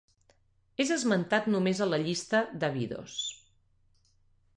És esmentat només a la llista d'Abidos.